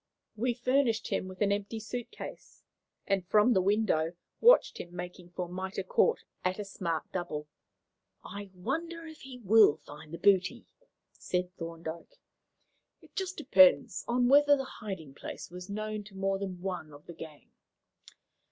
We furnished him with an empty suit case, and, from the window, watched him making for Mitre Court at a smart double. "I wonder if he will find the booty," said Thorndyke. "It just depends on whether the hiding place was known to more than one of the gang.